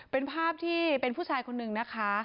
เป็นภาพที่เป็นผู้ชายคนนึงนะคะ